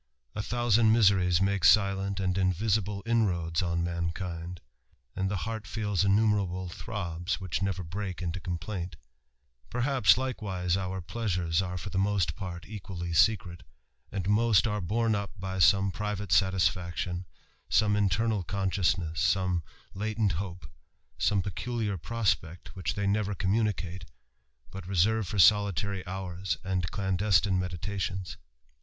A thousand miseries make silent and invisible inroads on mankind, and the heart feels innumer able throbs, which never break into complaint Perhaps, likewise, our pleasures are for the most part equally secret, and most are borne up by some private satisfaction, some iatemal consciousness, some latent hope, some peculiar prospect, which they never communicate, but reserve for solitary hours and clandestine meditations.